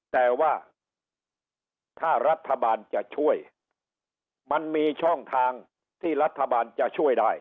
แต่ว่าถ้ารัฐบาลจะช่วยมันมีช่องทางที่รัฐบาลจะช่วยได้